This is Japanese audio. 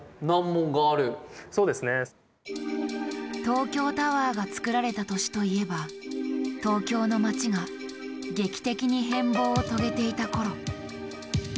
東京タワーが造られた年といえば東京の街が劇的に変貌を遂げていた頃。